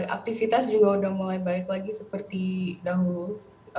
aktivitas juga sudah mulai balik lagi seperti dahulu